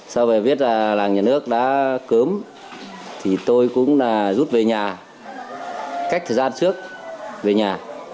sau về biết là làng nhà nước đã cớm thì tôi cũng rút về nhà cách thời gian trước về nhà